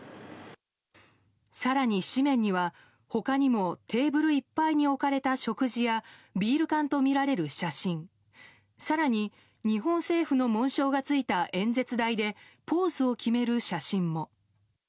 更に紙面には他にもテーブルいっぱいに置かれた食事やビール缶とみられる写真更に、日本政府の紋章がついた演説台でポーズを決める写真も。